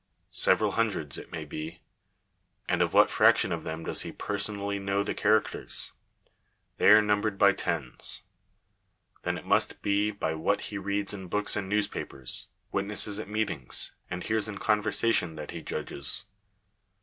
Several hundreds, it may be. And of what fraction of them does he personally know the characters? They are numbered by tens. Then it must be by what he reads in books and newspapers, witnesses at meetings, and hears in conversation that he judges?